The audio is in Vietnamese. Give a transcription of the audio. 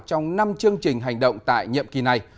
trong năm chương trình hành động tại nhậm ký này